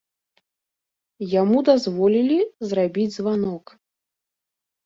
Яму дазволілі зрабіць званок.